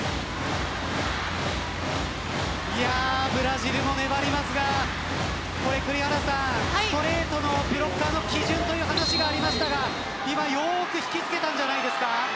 ブラジルも粘りますがストレートのブロッカーの基準という話がありましたが今はよく引きつけたんじゃないですか。